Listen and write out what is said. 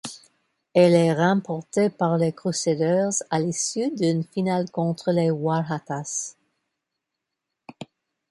Elle est remportée par les Crusaders à l'issue d'une finale contre les Waratahs.